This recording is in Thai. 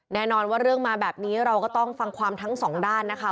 แน่นอนว่าเรื่องมาแบบนี้เราก็ต้องฟังความทั้งสองด้านนะคะ